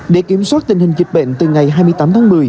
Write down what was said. để kiểm soát tình hình dịch bệnh từ ngày hai mươi tám tháng một mươi